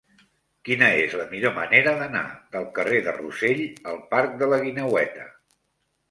Quina és la millor manera d'anar del carrer de Rossell al parc de la Guineueta?